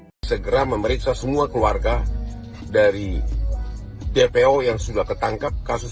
hai segera memeriksa semua keluarga dari dpo yang sudah ketangkap kasus